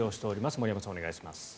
森山さん、お願いします。